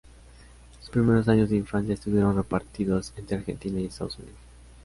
Sus primeros años de infancia estuvieron repartidos entre Argentina y Estados Unidos.